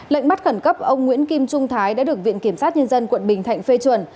lệnh bắt khẩn cấp ông nguyễn kim trung thái đã được viện kiểm sát nhân dân quận bình thạnh phê chuẩn